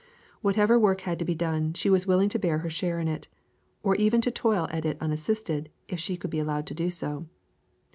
Whatever work had to be done she was willing to bear her share in it, or even to toil at it unassisted if she could be allowed to do so.